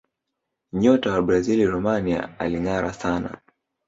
nyota wa brazil romario alingara sana